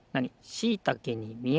「しいたけにみえない」。